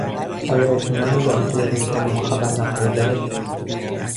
آیا اطمینان میدهی که به روزنامهها خبر نخواهی داد؟